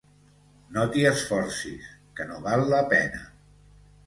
No t'hi esforcis, que no val la pena.